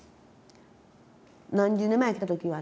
何十年前来た時はね